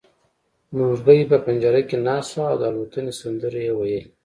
مرغۍ په پنجره کې ناسته وه او د الوتنې سندرې يې ويلې.